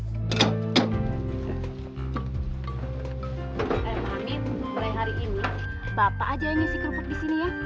eh pak hamid mulai hari ini bapak aja yang ngisi kerupuk disini ya